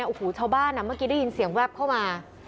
โอ้โหชาวบ้านเมื่อกี้ได้ยินเสียงแวบเข้ามา